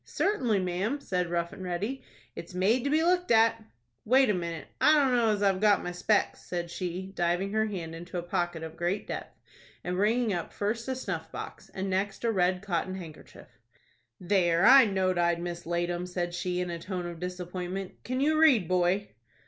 "Certainly, ma'am," said Rough and Ready; "it's made to be looked at." "Wait a minute. I dunno as I've got my specs," said she, diving her hand into a pocket of great depth, and bringing up first a snuff box, and next a red cotton handkerchief. "There, I know'd I'd mislaid 'em," she said, in a tone of disappointment. "Can you read, boy?"